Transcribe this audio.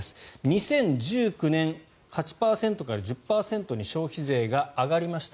２０１９年、８％から１０％に消費税が上がりました。